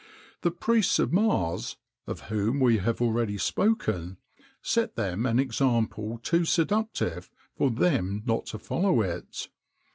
The priests of Mars, of whom we have already spoken, set them an example too seductive for them not to follow it.